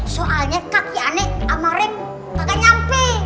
soalnya kaki aneh sama rem gak nyampe